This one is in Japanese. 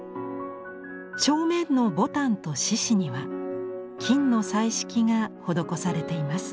正面のぼたんと獅子には金の彩色が施されています。